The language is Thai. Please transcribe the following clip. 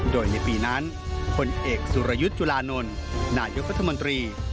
โดยในปีนั้นพลเอกสุรยุทธ์จุลานนท์นายกรัฐมนตรี